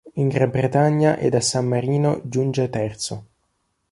In Gran Bretagna ed a San Marino giunge terzo.